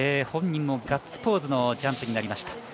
本人もガッツポーズのジャンプになりました。